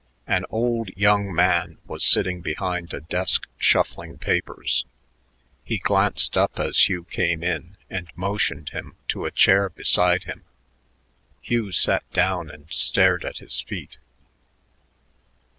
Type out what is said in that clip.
An old young man was sitting behind a desk shuffling papers. He glanced up as Hugh came in and motioned him to a chair beside him. Hugh sat down and stared at his feet.